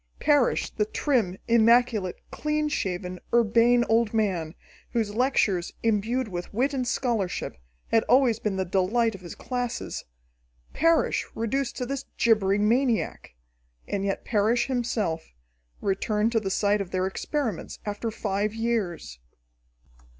Parrish, the trim, immaculate, clean shaven, urbane old man, whose lectures, imbued with wit and scholarship, had always been the delight of his classes Parrish reduced to this gibbering maniac! And yet Parrish himself, returned to the site of their experiments after five years!